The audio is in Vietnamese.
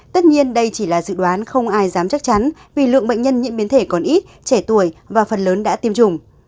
tất nhiên đây chỉ là dự đoán không ai dám chắc chắn vì lượng bệnh nhân nhiễm biến thể còn ít trẻ tuổi và phần lớn đã tiêm chủng